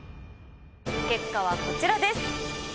結果はこちらです。